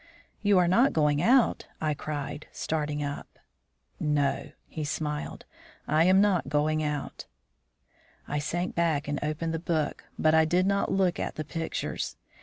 "You are not going out," I cried, starting up. "No," he smiled, "I am not going out." I sank back and opened the book, but I did not look at the pictures.